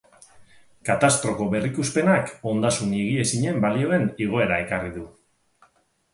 Katastroko berrikuspenak ondasun higiezinen balioen igoera ekarri du.